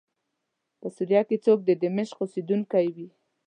په سوریه کې څوک د دمشق اوسېدونکی وي.